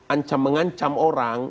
ancam mengancam orang